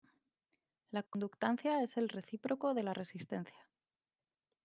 La conductancia es el recíproco de la resistencia.